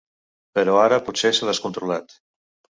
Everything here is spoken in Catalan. Però ara potser s’ha descontrolat.